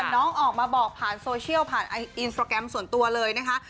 น้องออกมาบอกผ่านโซเชียลผ่านอินสตราแกรมส่วนตัวเลยนะคะ